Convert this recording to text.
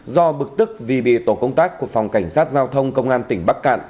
do bực tức vì bị tổ công tác của phòng cảnh sát giao thông công an tỉnh bắc cạn